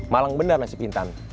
malang benar nasib intan